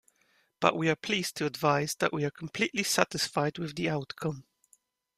But we are pleased to advise that we are completely satisfied with the outcome.